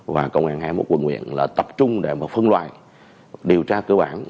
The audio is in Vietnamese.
và công an hai mươi một quân nguyện là tập trung để phân loại điều tra cơ bản